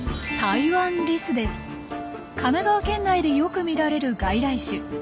神奈川県内でよく見られる外来種。